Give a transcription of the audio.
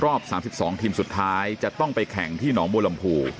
รอบ๓๒ทีมสุดท้ายจะต้องไปแข่งที่หนองบัวลำพู